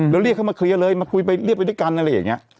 แล้วเรียกเข้ามาเคลียร์เลยมาคุยไปเรียกไปด้วยกันอะไรอย่างนี้